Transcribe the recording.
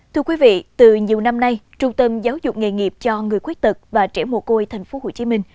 thưa quý vị từ nhiều năm nay trung tâm giáo dục nghề nghiệp cho người khuyết tật và trẻ mồ côi tp hcm